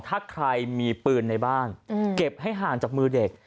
ถ้าใครมีปืนในบ้านเก็บให้ห่างจากมือเด็ก